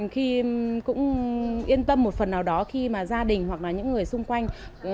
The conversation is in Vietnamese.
khi cũng yên tâm một phần nào đó khi mà gia đình hoặc là những người xung quanh